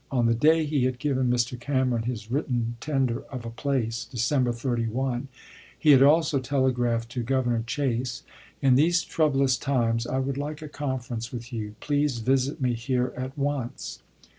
On the day he had given Mr. Cameron his written tender of a place (December 31), he had also telegraphed to Governor Chase, "In these warden, troublous times I would like a conference with you. salmon p. Please visit me here at once."